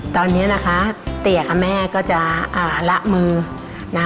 ตอนนี้นะคะเตี๋ยกับแม่ก็จะละมือนะคะ